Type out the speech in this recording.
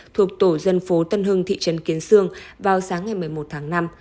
thuộc tổ dân phố tân hưng thị trấn kiến sương vào sáng ngày một mươi một tháng năm